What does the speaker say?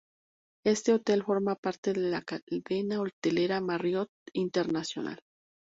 Este hotel forma parte de la cadena hotelera Marriott International.